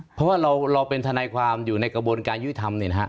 เพราะว่าเราเหมือนจะเป็นทันัยความยู่ในกระบวนการยื่ดธรรม